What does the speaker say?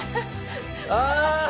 ああ！